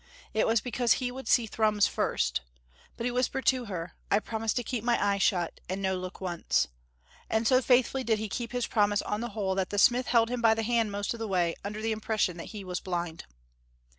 It was because he would see Thrums first; but he whispered to her, "I promise to keep my eyes shut and no look once," and so faithfully did he keep his promise on the whole that the smith held him by the hand most of the way, under the impression that he was blind.